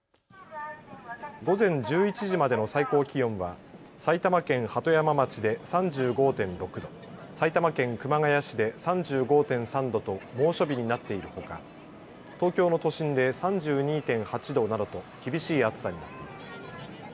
午前１１時までの最高気温は埼玉県鳩山町で３５．６度、埼玉県熊谷市で３５．３度と猛暑日になっているほか東京の都心で３２．８度などと厳しい暑さになっています。